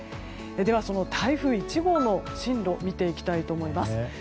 では、その台風１号の進路を見ていきたいと思います。